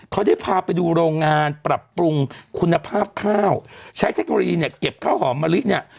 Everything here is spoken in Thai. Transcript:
เขาได้พาไปดูโรงงานปรับปรุงคุณภาพข้าวใช้เทคโนโลยีเนี่ยเก็บข้าวหอมมะลิเนี่ย